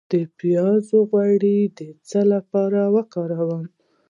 د پیاز غوړي د څه لپاره وکاروم؟